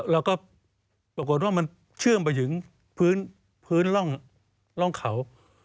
แล้วก็ปรากฏว่ามันเชื่อมไปถึงพื้นร่องเขา